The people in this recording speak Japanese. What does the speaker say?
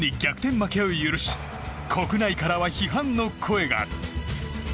負けを許し国内からは批判の声が。